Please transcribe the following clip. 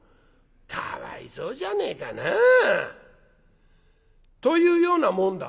かわいそうじゃねえかな。というような紋だ」。